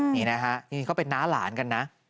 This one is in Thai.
นี่นะฮะนี่เขาเป็นน้าหลานกันนะ